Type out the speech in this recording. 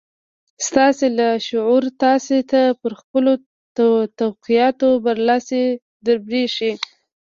ستاسې لاشعور تاسې ته پر خپلو توقعاتو برلاسي دربښي.